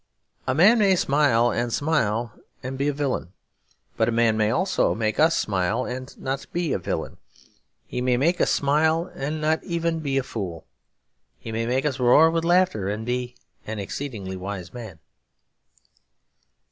A man may smile and smile and be a villain; but a man may also make us smile and not be a villain. He may make us smile and not even be a fool. He may make us roar with laughter and be an exceedingly wise man.